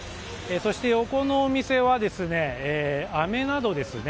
そして、横のお店はあめなどですね。